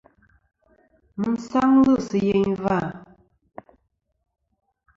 Mi sangli si yeyn va layn.